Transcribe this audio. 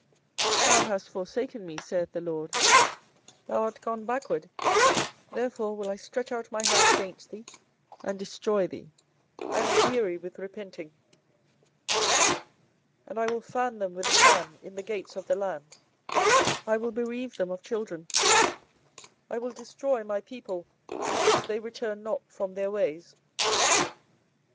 24:015:006 Thou hast forsaken me, saith the LORD, thou art gone backward: therefore will I stretch out my hand against thee, and destroy thee; I am weary with repenting. 24:015:007 And I will fan them with a fan in the gates of the land; I will bereave them of children, I will destroy my people since they return not from their ways.